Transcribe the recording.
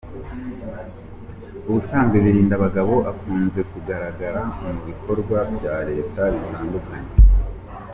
Ubusanzwe Birindabagabo akunze kugaragara mu bikorwa bya Leta bitandukanye.